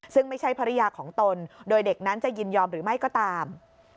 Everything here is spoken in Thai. ซึ่งไม่ใช่ภรรยาของตนโดยเด็กนั้นจะยินยอมหรือไม่ก็ตาม